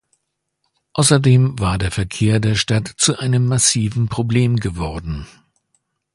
Außerdem war der Verkehr der Stadt zu einem massiven Problem geworden.